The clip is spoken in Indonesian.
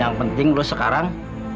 yang penting lo sekarang